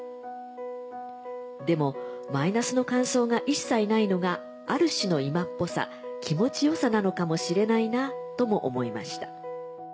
でもマイナスの感想が一切ないのがある種の今っぽさ気持ちよさなのかもしれないなとも思いました」。